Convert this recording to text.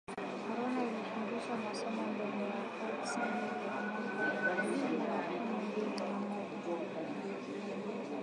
Corona ilifungisha masomo mbele ya wakati mu mwaka wa elfu mbili makumi mbili na moja